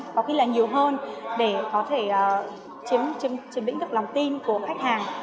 có khi là nhiều hơn để có thể chiếm lĩnh được lòng tin của khách hàng